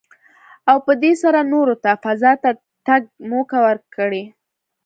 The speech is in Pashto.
او په دې سره نورو ته فضا ته د تګ موکه ورکړي.